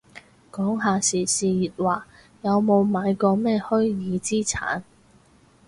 講下時事熱話，有冇買過咩虛擬資產